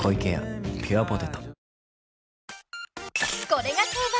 ［『これが定番！